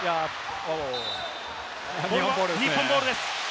これは日本ボールです。